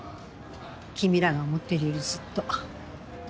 君らが思ってるよりずっと。